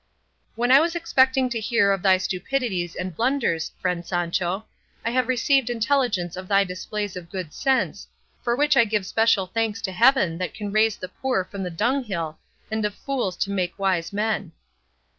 When I was expecting to hear of thy stupidities and blunders, friend Sancho, I have received intelligence of thy displays of good sense, for which I give special thanks to heaven that can raise the poor from the dunghill and of fools to make wise men.